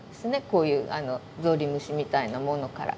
こういうゾウリムシみたいなものから。